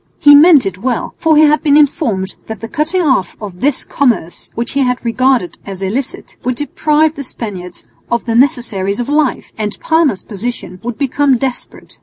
He meant it well, for he had been informed that the cutting off of this commerce, which he regarded as illicit, would deprive the Spaniards of the necessaries of life, and Parma's position would become desperate.